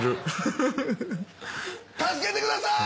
助けてください！